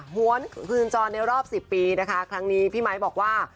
หวนคืนจรในรอบ๑๐ปีนะคะครั้งนี้พี่ไมค์บอกว่า